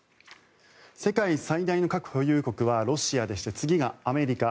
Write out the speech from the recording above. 世界最大の核保有国はロシアでして次がアメリカ。